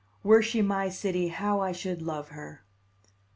Were she my city, how I should love her!